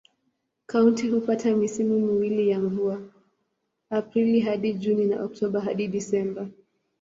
Kaunti hupata misimu miwili ya mvua: Aprili hadi Juni na Oktoba hadi Disemba.